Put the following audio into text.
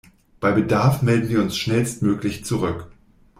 Bei Bedarf melden wir uns schnellstmöglich zurück.